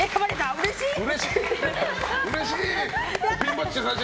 うれしい！